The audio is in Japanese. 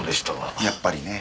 やっぱりね。